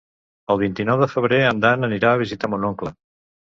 El vint-i-nou de febrer en Dan anirà a visitar mon oncle.